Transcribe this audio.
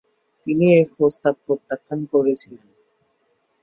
তিনি এই প্রস্তাব প্রত্যাখ্যান করেছিলেন।